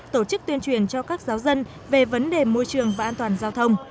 tổ chức tuyên truyền cho các giáo dân về vấn đề môi trường và an toàn giao thông